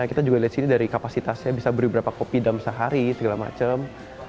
kita juga lihat sini dari kapasitasnya bisa beri berapa kopi dalam sehari segala macam